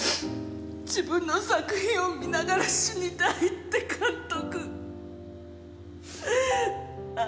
自分の作品を観ながら死にたいって監督。